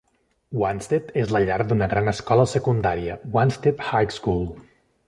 Wanstead és la llar d'una gran escola secundària, Wanstead High School.